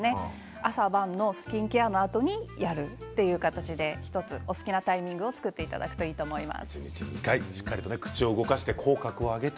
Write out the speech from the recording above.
朝晩のスキンケアのあとにやるという形で１つお好きなタイミングを作っていただきたいと思います。